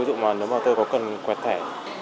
ví dụ là nếu mà tôi có cần quẹt thẻ